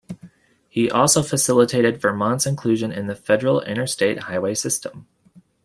He also facilitated Vermont's inclusion in the federal interstate highway system.